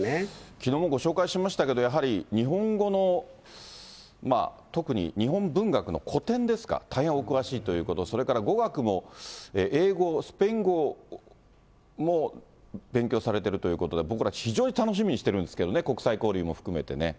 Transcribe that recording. きのうもご紹介しましたけど、やはり日本語の、特に日本文学の古典ですか、大変お詳しいということ、それから語学も英語、スペイン語も勉強されてるということで、僕ら、非常に楽しみにしてるんですけどね、国際交流も含めてね。